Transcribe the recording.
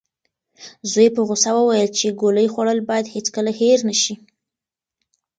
زوی یې په غوسه وویل چې ګولۍ خوړل باید هیڅکله هېر نشي.